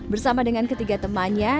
bersama dengan ketiga temannya